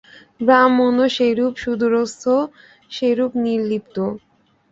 ব্রাহ্মণও সেইরূপ সুদূরস্থ, সেইরূপ নির্লিপ্ত।